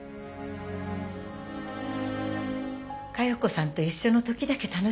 加代子さんと一緒のときだけ楽しかった。